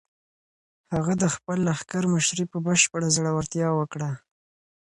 هغه د خپل لښکر مشري په بشپړ زړورتیا وکړه.